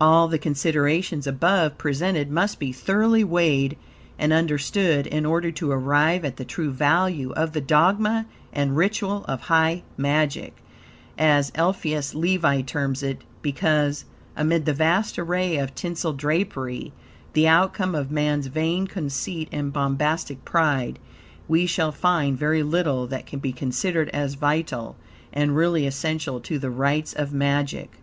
All the considerations above presented must be thoroughly weighed and understood in order to arrive at the true value of "the dogma and ritual of high magic," as Eliphas Levi terms it; because, amid the vast array of tinselled drapery, the outcome of man's vain conceit and bombastic pride, we shall find very little that can be considered as vital and really essential to the rites of magic.